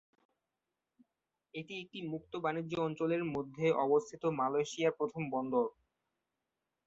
এটি একটি মুক্ত বাণিজ্য অঞ্চলের মধ্যে অবস্থিত মালয়েশিয়ায় প্রথম বন্দর।